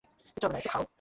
কিচ্ছু হবে না, একটু খাও।